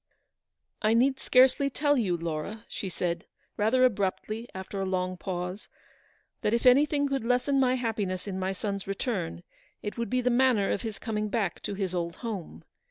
" I need scarcely tell you, Laura/ ' she said, rather abruptly, after a very long pause, " that if anything could lessen my happiness in my son's return, it would be the manner of his coming back to his old home.